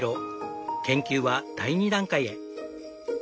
研究は第２段階へ。